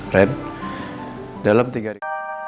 rem dalam tiga hari